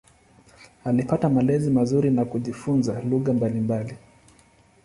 Alipata malezi mazuri na kujifunza lugha mbalimbali.